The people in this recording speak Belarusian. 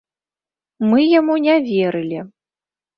Мы яму не верылі.